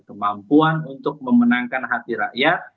kemampuan untuk memenangkan hati rakyat